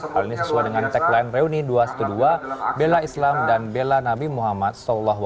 hal ini sesuai dengan tagline reuni dua ratus dua belas bela islam dan bela nabi muhammad saw